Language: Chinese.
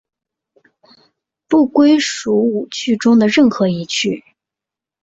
不归属五趣中的任何一趣。